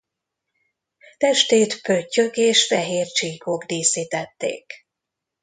Testét pöttyök és fehér csíkok díszítették.